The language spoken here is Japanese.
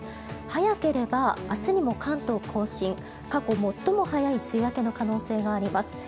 早ければ明日にも関東・甲信過去最も早い梅雨明けの可能性があります。